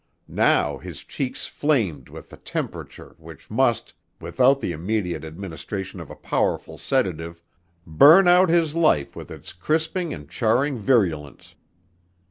Now his cheeks flamed with the temperature which must, without the immediate administration of a powerful sedative, burn out his life with its crisping and charring virulence.